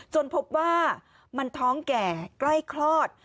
พบว่ามันท้องแก่ใกล้คลอด